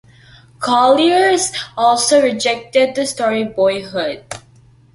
Collier's also rejected the story Boyhood.